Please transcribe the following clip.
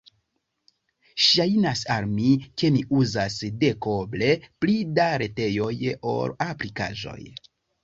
Ŝajnas al mi, ke mi uzas dekoble pli da retejoj ol aplikaĵoj.